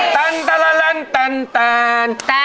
ตั้นตาลาลันตันตาล